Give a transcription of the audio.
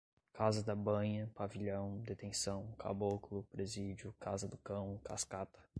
casa da banha, pavilhão, detenção, caboclo, presídio, casa do cão, cascata